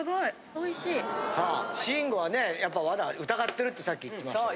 ・おいしい・さあ慎吾はねまだ疑ってるってさっき言ってましたけど。